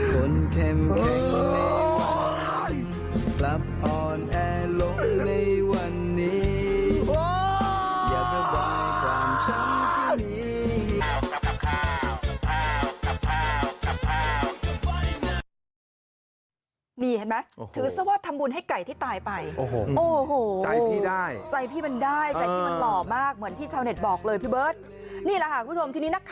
หลับอ่อนแอร์ลงในวันนี้